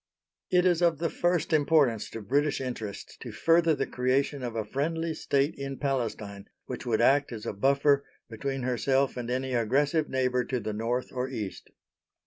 It is of the first importance to British interests to further the creation of a friendly State in Palestine which would act as a buffer between herself and any aggressive neighbour to the North or East.